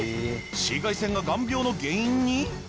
紫外線が眼病の原因に！？